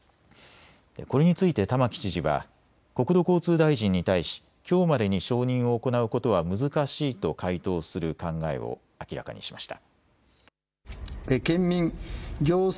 これについて玉城知事は国土交通大臣に対しきょうまでに承認を行うことは難しいと回答する考えを明らかにしました。